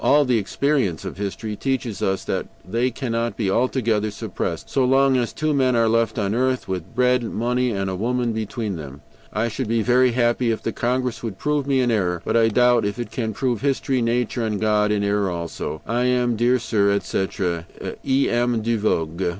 But all the experience of history teaches us that they cannot be altogether suppressed so long as two men are left on earth, with bread, money, and a woman between them. "I should be very happy if the Congress would prove me in error. But I doubt if it can prove history, nature, and God in error also. "I am, dear sir, etc. "E. M. DE VOGÜÉ."